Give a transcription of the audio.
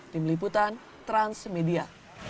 di meliputan transmedia